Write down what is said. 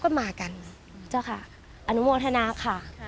โดยไม่ใช้ความรู้สึก